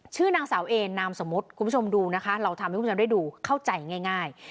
ชื่อนางสาวเอนามสมมุติคุณผู้ชมดูนะคะเราทำให้คุณผู้ชมได้ดูเข้าใจง่าย